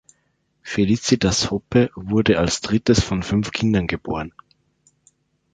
Felicitas Hoppe wurde als drittes von fünf Kindern geboren.